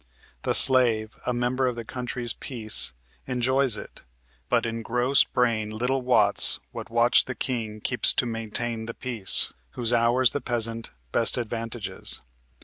The slave, a member of the country's peace, Enjoys it, but in gross brain little wots What watch the king keeps to maintain the peace, Whose hours the peasant best advantages."